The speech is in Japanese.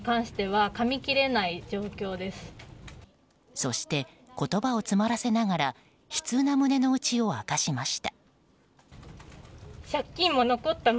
そして言葉を詰まらせながら悲痛な胸の内を明かしました。